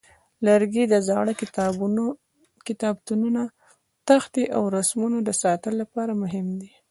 لرګي د زاړه کتابتونه، تختې، او رسمونو د ساتلو لپاره مهم دي.